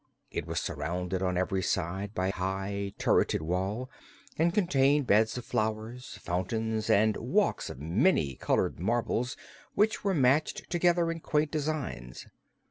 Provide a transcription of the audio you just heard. It was surrounded on every side by high turreted walls, and contained beds of flowers, fountains and walks of many colored marbles which were matched together in quaint designs.